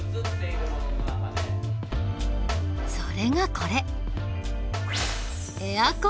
それがこれ。